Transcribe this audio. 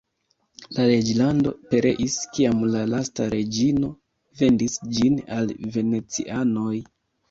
La reĝlando pereis, kiam la lasta reĝino vendis ĝin al venecianoj.